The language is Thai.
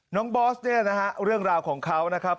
บอสเนี่ยนะฮะเรื่องราวของเขานะครับ